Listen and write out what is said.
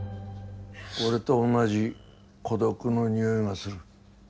俺と同じ孤独の匂いがする。